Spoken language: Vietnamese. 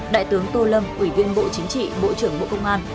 đại tướng tô lâm ủy viên bộ chính trị bộ trưởng bộ công an